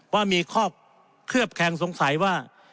ว่ามีข้อเคลือบแคงสงสัยว่า